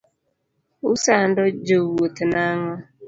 Usando jo wuoth nang'o.